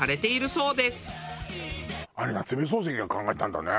あれ夏目漱石が考えたんだね。